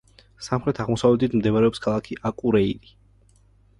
სამხრეთ-აღმოსავლეთით მდებარეობს ქალაქი აკურეირი.